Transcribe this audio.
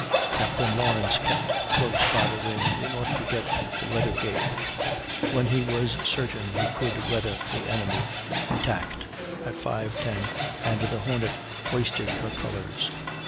Captain Lawrence kept close by the wind, in order to get the weather gage; when he was certain he could weather the enemy, he tacked, at 5.10, and the Hornet hoisted her colors.